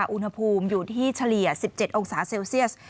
อุณหภูมิอยู่ที่เฉลี่ย๑๗องศาเซลเซียส